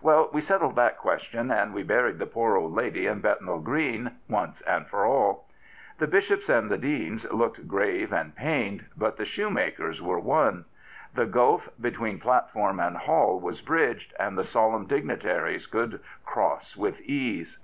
Well, we settled that question, and we buried the poor old lady in Bethnal Green, once and for all." The bishops and the deans looked grave and pained, but the shoe makers were won. The gulf between platform and hall was bridged, and the solemn dignitaries could cross with ease.